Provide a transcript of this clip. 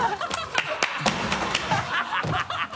ハハハ